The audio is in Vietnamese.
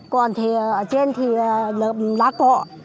còn thì ở trên thì lợp lá cọ